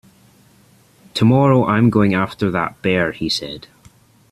Tomorrow I'm going after that bear, he said.